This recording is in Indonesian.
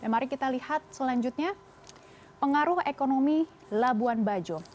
mari kita lihat selanjutnya pengaruh ekonomi labuan bajo